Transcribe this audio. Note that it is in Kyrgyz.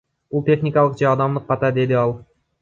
Бул техникалык же адамдык ката, — деди ал.